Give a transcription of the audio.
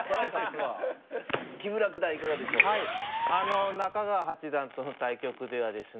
はい中川八段との対局ではですね